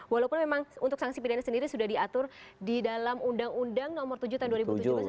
walaupun memang untuk sanksi pidana sendiri sudah diatur di dalam undang undang nomor tujuh tahun dua ribu tujuh belas